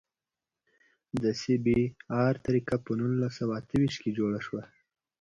د سی بي ار طریقه په نولس سوه اته ویشت کې جوړه شوه